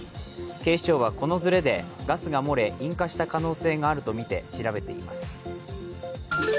警視庁はこのずれで、ガスが漏れ、引火した可能性があるとみて調べています。